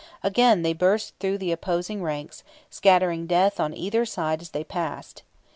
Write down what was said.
Again they burst through the opposing ranks, scattering death on either side as they passed.